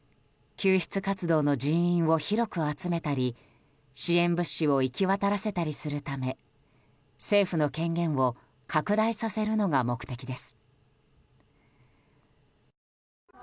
救出活動の人員を広く集めたり支援物資を行き渡らせたりするため政府の権限を拡大させるのが目的です。